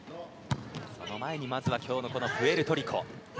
その前にまずは今日のプエルトリコ。